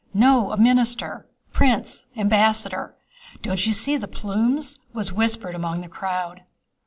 No, a minister... prince... ambassador. Don't you see the plumes?..." was whispered among the crowd.